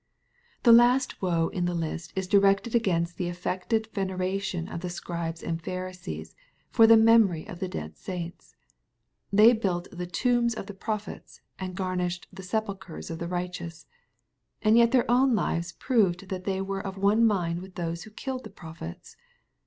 ''"^The last "woe" in the list is directed against the affected veneration of the Scribes and Pharisees for the memory of dead saints. They built the 'tlfimbs of the prophets," and garnished " the sejailchres of the right eous." And yet their own lives proved that they were of one mind with those who"^" killed the prophets."